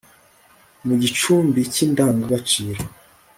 mu gicumbi cy'indangagaciro